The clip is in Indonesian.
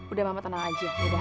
udah mama tenang aja